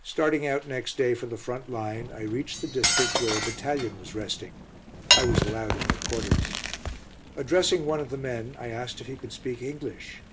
Starting out next day for the front line, I reached the district where a battalion was resting I was allowed in their quarters. Addressing one of the men, I asked if he could speak English.